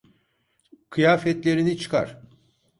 Kıyafetlerini çıkar.